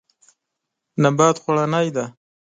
نبات خوړنی دی.